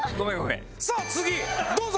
さあ次どうぞ。